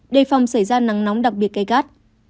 đề phòng xảy ra nắng nóng đặc biệt gây gắt